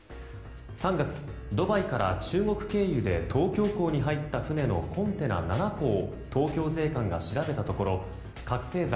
３月、ドバイから中国経由で東京港に入った船のコンテナ７個を東京税関が調べたところ覚醒剤